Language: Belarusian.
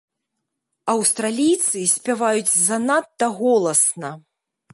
Аўстралійцы спяваюць занадта голасна.